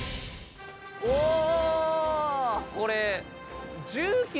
おお！